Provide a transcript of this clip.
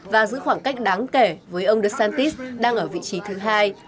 và giữ khoảng cách đáng kể với ông desantis đang ở vị trí thứ hai